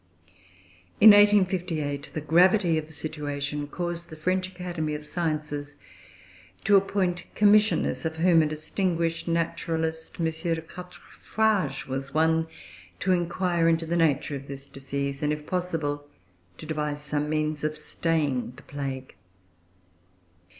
In 1858 the gravity of the situation caused the French Academy of Sciences to appoint Commissioners, of whom a distinguished naturalist, M. de Quatrefages, was one, to inquire into the nature of this disease, and, if possible, to devise some means of staying the plague.